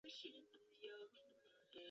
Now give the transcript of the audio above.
卡氏蟹蛛为蟹蛛科蟹蛛属的动物。